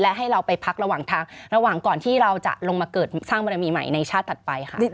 และให้เราไปพักระหว่างก่อนที่เราจะลงมาเกิดสร้างบารมีใหม่ในชาติต่อไปค่ะ